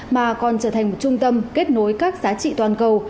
mà còn trở thành một trung tâm kết nối các giá trị toàn cầu